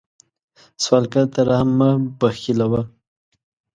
سوالګر ته رحم مه بخلوه